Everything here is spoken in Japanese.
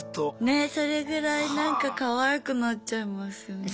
ねっそれぐらいなんかかわいくなっちゃいますよね。